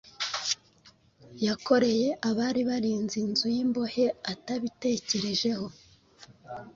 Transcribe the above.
yakoreye abari barinze inzu y’imbohe atabitekerejeho.